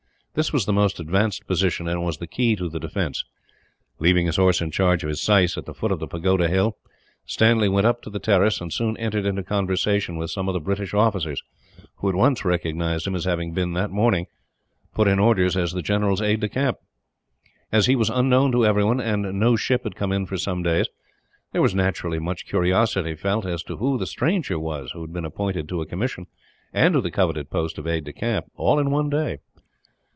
This was the most advanced position, and was the key of the defence. Leaving his horse in charge of his syce, at the foot of the pagoda hill, Stanley went up to the terrace and soon entered into conversation with some of the British officers; who at once recognized him as having been, that morning, put in orders as the general's aide de camp. As he was unknown to everyone, and no ship had come in for some days, there was naturally much curiosity felt as to who the stranger was who had been appointed to a commission, and to the coveted post of aide de camp, in one day.